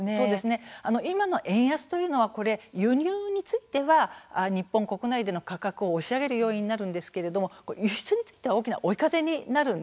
今の円安というのはこれ輸入については日本国内での価格を押し上げる要因になるんですけれども輸出については大きな追い風になるんですね。